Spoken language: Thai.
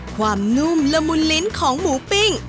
นุ่มละมุนลิ้นของหมูปิ้ง